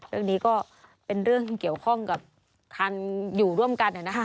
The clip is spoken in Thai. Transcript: เรื่องนี้ก็เป็นเรื่องเกี่ยวข้องกับการอยู่ร่วมกัน